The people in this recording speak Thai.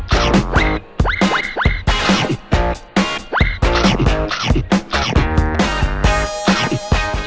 ใช่